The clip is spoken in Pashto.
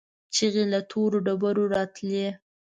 چيغې له تورو ډبرو راتلې.